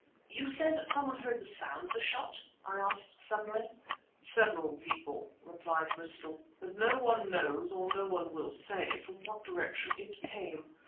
"You say that someone heard the sound of the shot?" I asked suddenly. "Several people," replied Bristol; "but no one knows, or no one will say, from what direction it came.